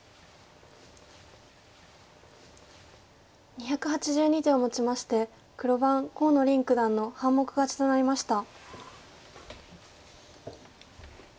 ２８２手をもちまして黒番河野臨九段の半目勝ちとなりました。